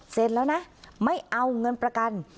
เสร็จแล้วนะไม่เอาเงินประกัน